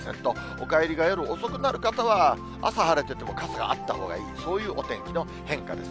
お帰りが夜遅くなる方は、朝晴れてても傘があったほうがいい、そういうお天気の変化です。